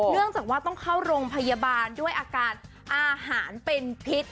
เนื่องจากว่าต้องเข้าโรงพยาบาลด้วยอาการอาหารเป็นพิษ